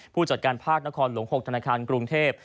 ผู้จัดการภาคนครหลวง๖ธนาคารกรุงเทพ